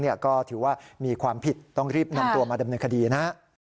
ก็ถือว่ามีความผิดต้องรีบนำตัวมาดำเนินคดีนะฮะ